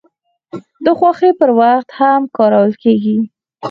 د خوښۍ پر وخت هم کارول کیږي.